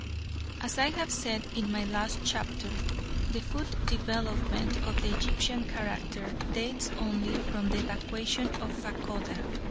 As I have said in my last chapter, the full development of the Egyptian character dates only from the evacuation of Fachoda.